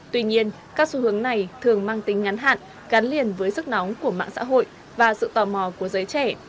tuy nhiên các xu hướng này thường mang tính ngắn hạn gắn liền với sức nóng của mạng xã hội và sự tò mò của giới trẻ